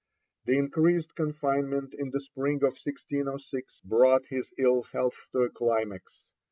The increased confinement in the spring of 1606 brought his ill health to a climax.